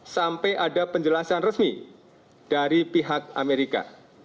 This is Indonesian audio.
sampai ada penjelasan resmi dari pihak amerika